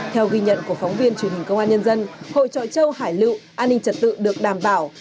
theo ghi nhận của phóng viên truyền hình công an nhân dân hội chọi châu hải liệu an ninh trả tự được đảm bảo